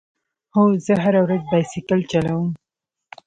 هو، زه هره ورځ بایسکل چلوم